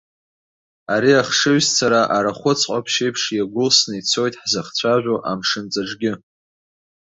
Ари ахшыҩзцара арахәыц ҟаԥшь еиԥш иагәылсны ицоит ҳзыхцәажәо амшынҵаҿгьы.